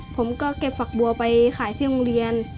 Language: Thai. ผมก็เก็บฝักบัวไปขายที่โรงเรียน